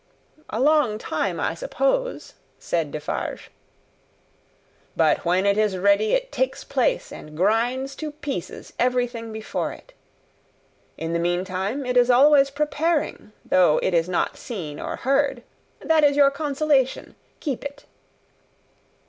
"A long time, I suppose," said Defarge. "But when it is ready, it takes place, and grinds to pieces everything before it. In the meantime, it is always preparing, though it is not seen or heard. That is your consolation. Keep it."